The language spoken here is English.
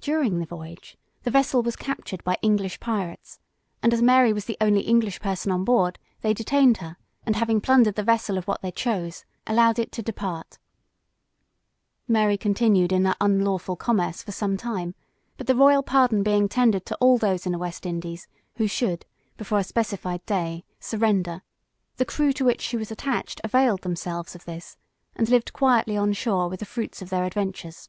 During the voyage, the vessel was captured by English pirates, and as Mary was the only English person on board, they detained her, and having plundered the vessel of what they chose, allowed it to depart. Mary continued in that unlawful commerce for some time, but the royal pardon being tendered to all those in the West Indies, who should, before a specified day, surrender, the crew to which she was attached, availed themselves of this, and lived quietly on shore with the fruits of their adventures.